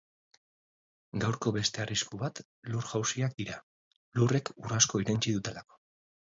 Gaurko beste arrisku bat lur-jausiak dira, lurrek ur asko irentsi dutelako.